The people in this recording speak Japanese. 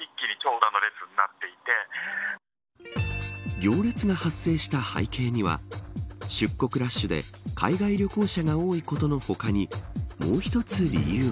行列が発生した背景には出国ラッシュで海外旅行者が多いことのほかにもう一つ理由が。